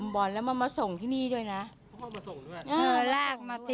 บอกอยากให้มันเข้าคุก